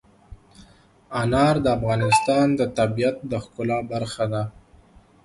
انار د افغانستان د طبیعت د ښکلا برخه ده.